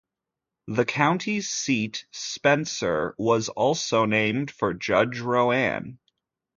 The county's seat Spencer was also named for judge Roane.